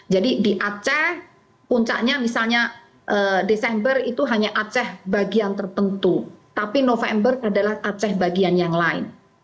jadi di aceh puncaknya misalnya desember itu hanya aceh bagian tertentu tapi november adalah aceh bagian yang lain